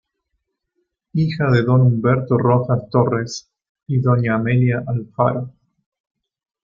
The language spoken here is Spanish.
Hija de don Humberto Rojas Torres y doña Amelia Alfaro.